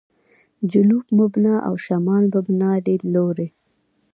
«جنوب مبنا» او «شمال مبنا» لیدلوري.